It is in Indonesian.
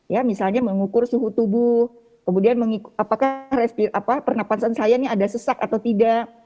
ya misalnya mengukur suhu tubuh kemudian apakah pernafasan saya ini ada sesak atau tidak